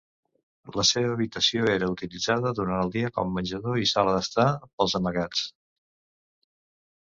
La seva habitació era utilitzada durant el dia com menjador i sala d'estar pels amagats.